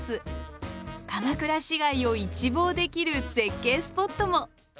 鎌倉市街を一望できる絶景スポットも。